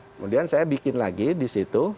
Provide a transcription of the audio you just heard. kemudian saya bikin lagi di situ